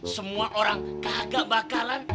semua orang kagak bakalan